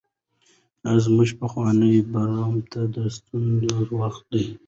دا زموږ پخواني برم ته د ستنېدو وخت دی.